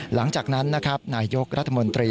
หลังจากนั้นนะครับนายยกรัฐมนตรี